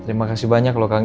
terima kasih banyak loh kang